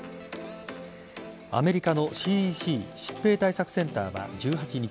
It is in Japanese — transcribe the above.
アメリカのＣＤＣ＝疾病対策センターは１８日